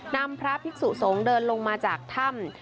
นำพระภิกษุสงฆ์เดินลงมาจากถ้ำ